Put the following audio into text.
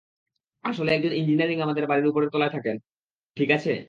আসলে একজন ইঞ্জিনিয়ারিং আমাদের বাড়ির উপরের তলায় থাকেন - ঠিক আছে।